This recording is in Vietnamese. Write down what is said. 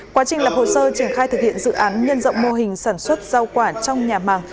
quá trình lập hồ sơ triển khai thực hiện dự án nhân rộng mô hình sản xuất rau quả trong nhà màng